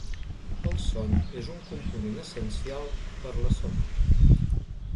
El son és un component essencial per a la salut.